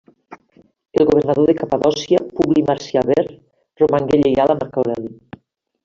El governador de Capadòcia, Publi Marcià Ver, romangué lleial a Marc Aureli.